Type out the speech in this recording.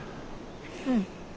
うん。